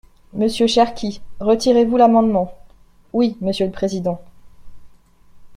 Monsieur Cherki, retirez-vous l’amendement ? Oui, monsieur le président.